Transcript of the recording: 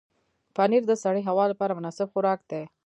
پنېر د سړې هوا لپاره مناسب خوراک دی.